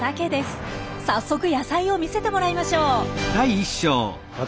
さっそく野菜を見せてもらいましょう。